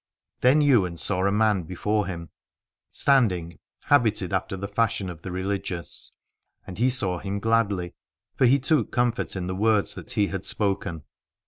Then Ywain saw a man before him stand ing, habited after the fashion of the religious : and he saw him gladly, for he took comfort in the words that he had spoken.